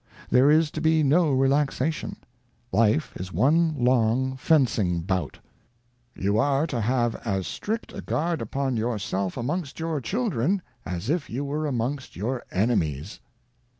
There is to be no relaxation ; life is one long fencing bout. ' You are to have as strict a Guard upon yourself amongst your Children, as if you were amongst your Enemies.'